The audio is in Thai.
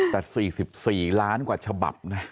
แต่๔๔ล้านกว่าฉบับนะ